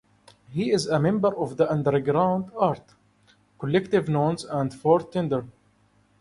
He is a member of the underground art collective known as Fort Thunder.